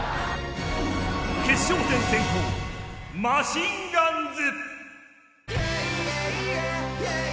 決勝戦先攻、マシンガンズ。